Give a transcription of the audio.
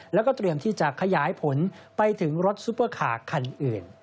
แล้วก็เตรียมที่จะขยายผลไปถึงรถซุปเปอร์คาร์คันอื่น